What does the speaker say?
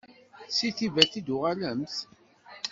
Seg Tibet i d-tuɣalemt?